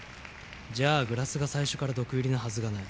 じゃあグラスが最初から毒入りなはずがない。